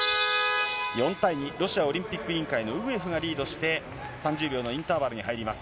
４対２、ロシアオリンピック委員会のウグエフがリードして、３０秒のインターバルに入ります。